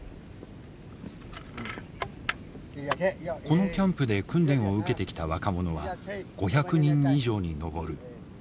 このキャンプで訓練を受けてきた若者は５００人以上に上る。